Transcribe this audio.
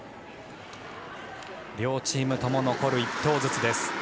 両チームとも残る１投ずつです